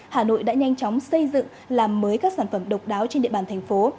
hà nội đã nhanh chóng xây dựng làm mới các sản phẩm độc đáo trên địa bàn thành phố